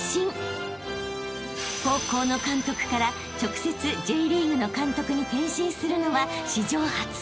［高校の監督から直接Ｊリーグの監督に転身するのは史上初。